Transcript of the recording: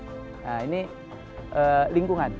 nah ini lingkungan